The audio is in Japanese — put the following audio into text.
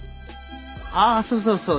ああそうそうそう。